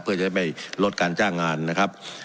เพื่อจะได้ไม่ลดการจ้างงานนะครับ